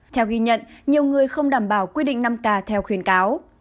theo ghi nhận nhiều người không đảm bảo quy định năm k theo khuyến cáo